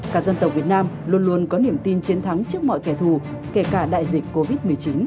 cả dân tộc việt nam luôn luôn có niềm tin chiến thắng trước mọi kẻ thù kể cả đại dịch covid một mươi chín